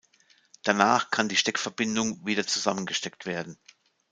Danach kann die Steckverbindung wieder zusammengesteckt werden.